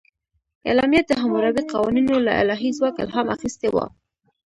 اعلامیه د حموربي قوانینو له الهي ځواک الهام اخیستی و.